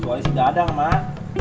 soal isi dadang mak